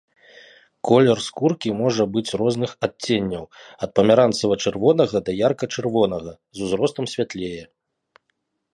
Колер скуркі можа быць розных адценняў ад памяранцава-чырвонага да ярка-чырвонага, з узростам святлее.